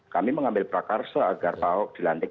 kami mengambil prakarsa agar pak ahok dilantik